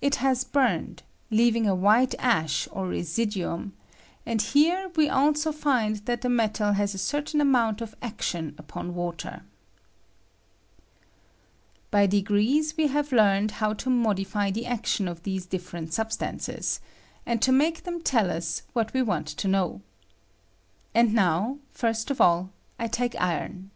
It has burned, leaving a white ash or residuum ; now, 1 ;e on 1 ully, J COMBUSTIOX OF IRON. 79 and here also we find tliat the metal has a cer tain amoiuit of action upon water. By degrees we have learned how to modify the action of these different sabstances, and to make them teU us what we want to know. And now, first of all, I take iron.